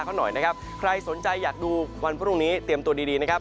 ใครสนใจอยากดูวันพรุ่งนี้เตรียมตัวดี